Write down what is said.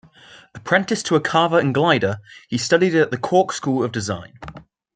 Apprenticed to a carver and gilder, he studied at the Cork School of Design.